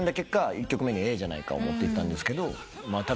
１曲目に『ええじゃないか』を持ってきたんですけど。